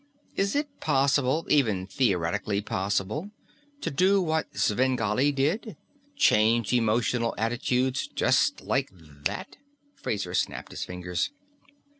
Is it possible even theoretically possible to do what Svengali did? Change emotional attitudes, just like that." Fraser snapped his fingers.